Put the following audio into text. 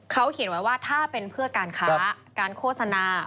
เขาเขียนไว้ว่าถ้าเป็นเพื่อการค้าการโฆษณา